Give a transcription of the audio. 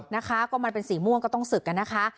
นะคะก็มันเป็นสีม่วงก็ต้องศึกกันนะคะ